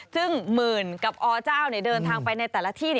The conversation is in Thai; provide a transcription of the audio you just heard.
ซึ่งหมื่นกับอเจ้าเดินทางไปในแต่ละที่